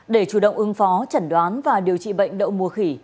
để chủ động ứng phó chẩn đoán và điều trị bệnh đậu mùa khỉ